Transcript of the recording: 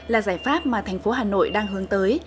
là giải pháp mà thành phố hà nội đang hướng tới